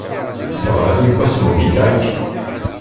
Teɣṛiḍ yewwas "Moby Dick"?